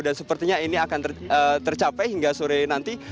dan sepertinya ini akan tercapai hingga sore nanti